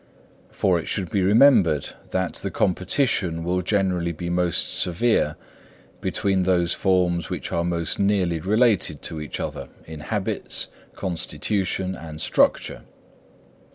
For it should be remembered that the competition will generally be most severe between those forms which are most nearly related to each other in habits, constitution and structure.